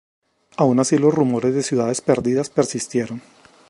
Aun así, los rumores de ciudades perdidas persistieron.